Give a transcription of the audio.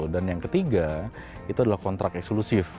dan yang ketiga adalah kontrak eksklusif